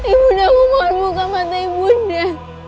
ibu dia aku mohon buka mata ibu dia